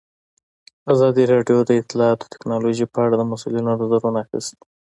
ازادي راډیو د اطلاعاتی تکنالوژي په اړه د مسؤلینو نظرونه اخیستي.